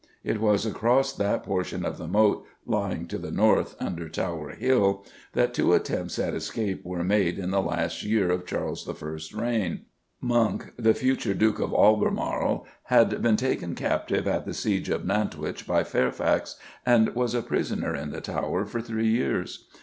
It was across that portion of the Moat lying to the north, under Tower Hill, that two attempts at escape were made in the last years of Charles I.'s reign. Monk, the future Duke of Albermarle, had been taken captive at the siege of Nantwich by Fairfax, and was a prisoner in the Tower for three years.